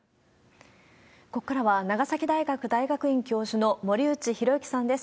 ここからは長崎大学大学院教授の森内浩幸さんです。